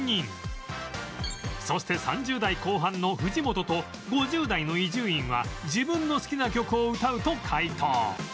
そして３０代後半の藤本と５０代の伊集院は自分の好きな歌を歌うと解答